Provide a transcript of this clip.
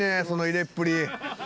その入れっぷり。